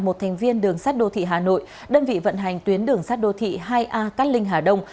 một thành viên đường sát đô thị hà nội đơn vị vận hành tuyến đường sát đô thị hai a cát linh hà đông